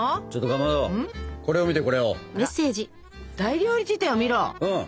「大料理事典を見ろ！」。